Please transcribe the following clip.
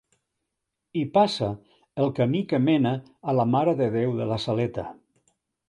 Hi passa el camí que mena a la Mare de Déu de la Saleta.